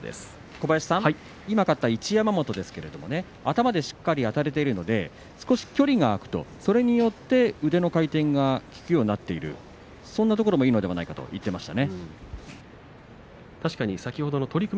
今勝った一山本頭でしっかりあたれていて距離が開くそれによって腕の回転が効くようになってそんなところがいいのでないかと言っていました。